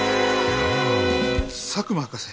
佐久間博士。